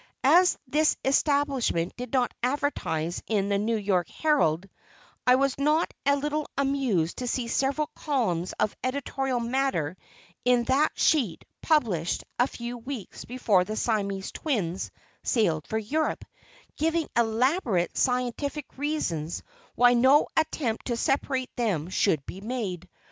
As "this establishment did not advertise in the New York Herald," I was not a little amused to see several columns of editorial matter in that sheet published a few weeks before the Siamese Twins sailed for Europe, giving elaborate scientific reasons why no attempt to separate them should be made.